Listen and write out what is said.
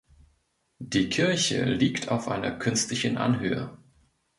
Die Kirche liegt auf einer künstlichen Anhöhe.